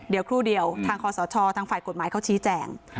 เดี๋ยวครู่เดียวทางคอสชทางฝ่ายกฎหมายเขาชี้แจง